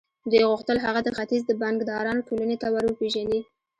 دوی غوښتل هغه د ختيځ د بانکدارانو ټولنې ته ور وپېژني.